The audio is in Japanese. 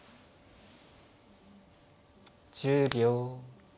１０秒。